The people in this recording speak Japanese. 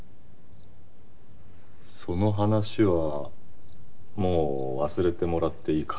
その話はもう忘れてもらっていいから。